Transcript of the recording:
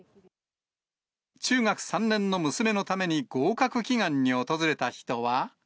中学３年の娘のために、合格祈願に訪れた人は。